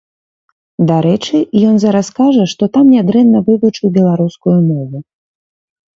Дарэчы, ён зараз кажа, што там нядрэнна вывучыў беларускую мову.